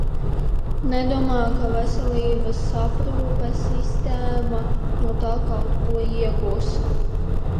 Nedomāju, ka veselības aprūpes sistēmas no tā kaut ko iegūs.